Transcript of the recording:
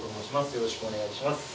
よろしくお願いします